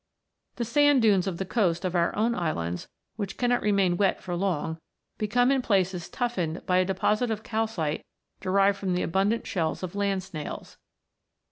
The sand dunes of the coast of our own islands, which cannot remain wet for long, become in places toughened by a deposit of calcite derived from the abundant shells of land snails.